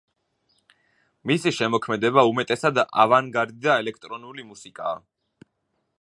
მისი შემოქმედება უმეტესად ავანგარდი და ელექტრონული მუსიკაა.